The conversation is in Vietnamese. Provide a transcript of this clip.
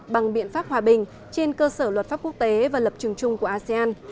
bằng biện pháp hòa bình trên cơ sở luật pháp quốc tế và lập trường chung của asean